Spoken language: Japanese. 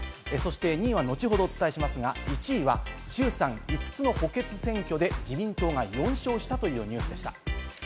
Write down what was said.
２位は後ほどお伝えしますが、１位は衆参５つの補欠選挙で自民党が４勝したというニュースでした。